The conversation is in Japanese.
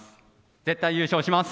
絶対優勝します。